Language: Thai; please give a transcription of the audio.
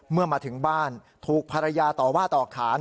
เมื่อมาถึงบ้านถูกภรรยาต่อว่าต่อขาน